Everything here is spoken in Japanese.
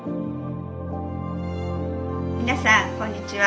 皆さんこんにちは。